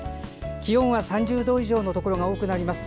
気温は３０度以上のところが多くなります。